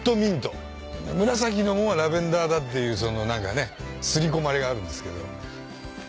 紫のものはラベンダーだっていうすり込まれがあるんですけど。